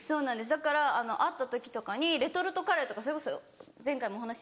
だから会った時とかにレトルトカレーとかそれこそ前回もお話ししたんですけど。